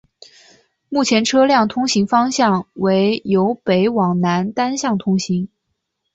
目前车辆通行方向为由北往南单向通行。